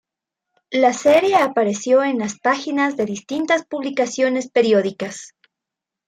La serie apareció en las páginas de distintas publicaciones periódicas.